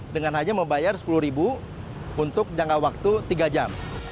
dengan hanya membayar sepuluh untuk jangka waktu tiga jam